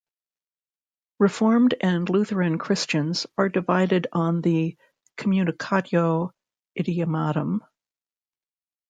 Reformed and Lutheran Christians are divided on the "communicatio idiomatum".